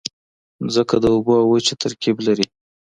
مځکه د اوبو او وچې ترکیب لري.